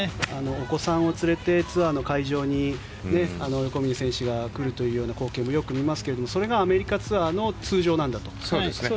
お子さんを連れてツアーの会場に横峯選手が来るという光景もよく見ますけれどそれがアメリカツアーの通常なんだと。